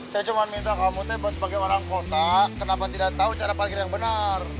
saya cuma minta kamu buat sebagai orang kota kenapa tidak tahu cara parkir yang benar